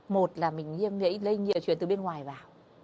một là mình liêm nhiễm lây nhiễm chuyển từ bên ngoài vào